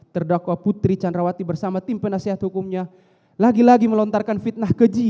terdakwa putri candrawati bersama tim penasehat hukumnya lagi lagi melontarkan fitnah keji